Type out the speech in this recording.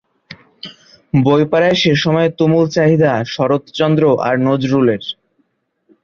বইপাড়ায় সে সময়ে তুমুল চাহিদা শরৎচন্দ্র আর নজরুলের।